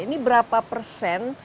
ini berapa persen